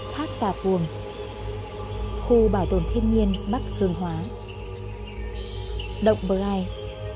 phát tạp buồn khu bảo tồn thiên nhiên bắc hương hóa động bright